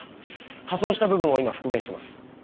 破損した部分を今復元してます。